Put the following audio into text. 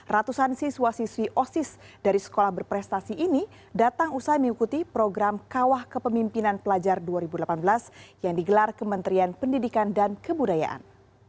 ratusan siswa siswi osis dari sekolah berprestasi ini datang usai mengikuti program kawah kepemimpinan pelajar dua ribu delapan belas yang digelar kementerian pendidikan dan kebudayaan